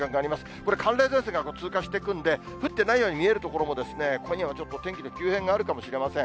これ、寒冷前線が通過していくんで、降ってないように見える所も、今夜はちょっと、天気の急変があるかもしれません。